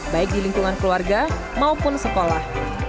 baik di lingkungan keluarga maupun sekolah